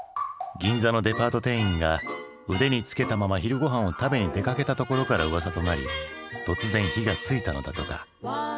銀座のデパート店員が腕につけたまま昼御飯を食べに出かけたところからうわさとなり突然火がついたのだとか。